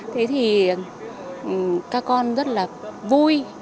thế thì các con rất là vui